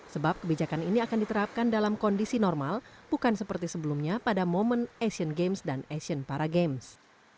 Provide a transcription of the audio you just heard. sebab kebijakan ini akan diterapkan dalam kondisi normal bukan seperti sebelumnya pada momen asian games dan asian para games